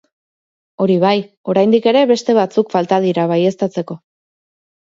Hori bai, oraindik ere beste batzuk falta dira baieztatzeko.